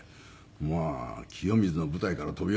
まあ清水の舞台から飛び降りたつもりで。